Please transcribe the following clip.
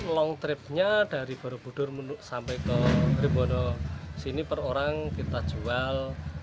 long tripnya dari borobudur sampai ke ribono sini per orang kita jual empat ratus